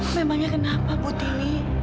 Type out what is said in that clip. memangnya kenapa butini